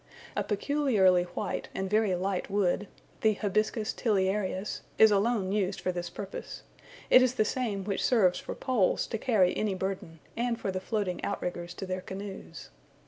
A peculiarly white and very light wood (the Hibiscus tiliareus) is alone used for this purpose: it is the same which serves for poles to carry any burden, and for the floating out riggers to their canoes.